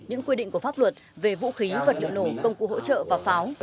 những quy định của pháp luật về vũ khí vật liệu nổ công cụ hỗ trợ và pháo